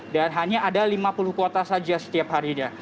dan hanya ada lima puluh kuota saja setiap hari